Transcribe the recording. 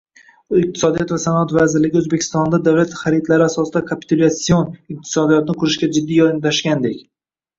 Iqtisodiyot va sanoat vazirligi O'zbekistonda davlat xaridlari asosida kapitulyatsion iqtisodiyotni qurishga jiddiy yondashgandek